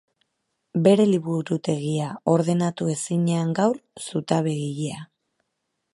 Bere liburutegia ordenatu ezinean gaur, zutabegilea.